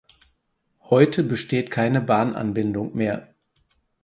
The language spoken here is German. Heute besteht keine Bahnanbindung mehr.